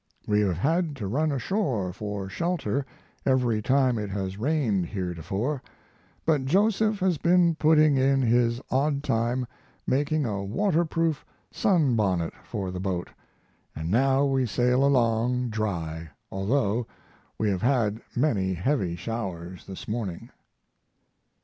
We have had to run ashore for shelter every time it has rained heretofore, but Joseph has been putting in his odd time making a waterproof sun bonnet for the boat, & now we sail along dry, although we have had many heavy showers this morning.